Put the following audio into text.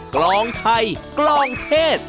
กลองไทยกลองเทศ